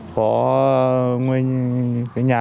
có cái nhà